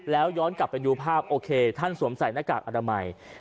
แล้วย้อนกลับไปดูภาพโอเคท่านสวมใส่หน้ากากอนามัย